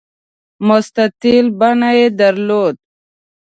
مستطیل بڼه یې درلوده.